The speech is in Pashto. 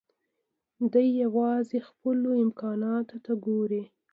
دی يوازې خپلو امکاناتو ته ګوري.